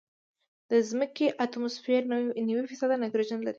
د ځمکې اتموسفیر نوي فیصده نایټروجن لري.